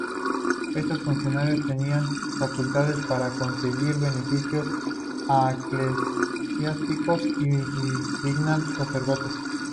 Estos funcionarios tenían facultades para conferir beneficios eclesiásticos y designar sacerdotes.